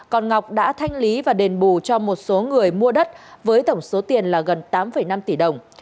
còn ngọc đã thanh lý và đền bù cho một số người mua đất với tổng số tiền là gần tám năm tỷ đồng